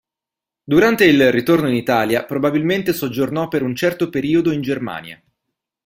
Durante il ritorno in Italia probabilmente soggiornò per un certo periodo in Germania.